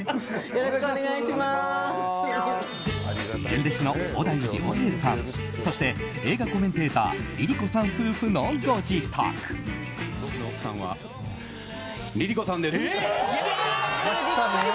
純烈の小田井涼平さんそして、映画コメンテーターＬｉＬｉＣｏさん夫婦のご自宅。